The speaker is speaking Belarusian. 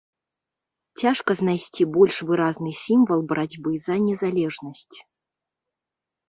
Цяжка знайсці больш выразны сімвал барацьбы за незалежнасць.